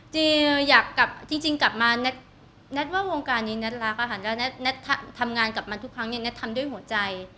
จริงกลับมาแน็ตว่าวงการนี้แน็ตรักค่ะแล้วแน็ตทำงานกลับมาทุกครั้งเนี่ยแน็ตทำด้วยหัวใจ